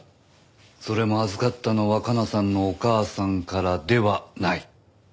それも預かったのは加奈さんのお母さんからではない。